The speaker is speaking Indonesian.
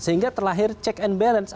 sehingga terlahir check and balance